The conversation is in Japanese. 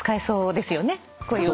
そうですね